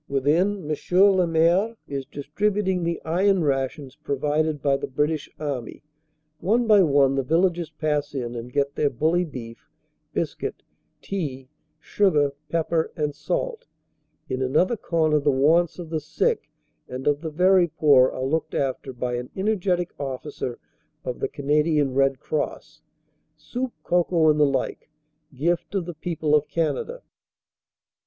Within M. le Maire is distributing the iron rations provided by the British Army. One by one the vil lagers pass in and get their bully beef, biscuit, tea, sugar, pep per and salt. In another corner the wants of the sick and of the very poor are looked after by an energetic officer of the Canadian Red Cross soup, cocoa, and the like, gift of the people of Canada.